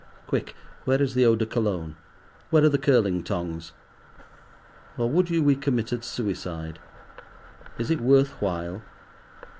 Quick, where is the eau de Cologne? where are the curling tongs? Or would you we committed suicide? Is it worth while?